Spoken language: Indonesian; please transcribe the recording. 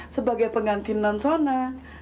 sebagai pengantin non sona